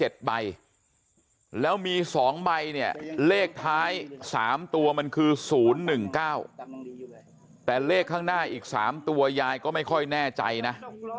สามตัวมันคือศูนย์หนึ่งเก้าแต่เลขข้างหน้าอีกสามตัวยายก็ไม่ค่อยแน่ใจนะ